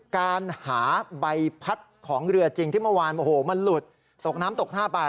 การหาใบพัดของเรือจริงที่เมื่อวานโอ้โหมันหลุดตกน้ำตกท่าไป